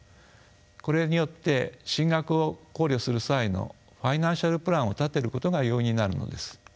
これによって進学を考慮する際のファイナンシャルプランを立てることが容易になるのです。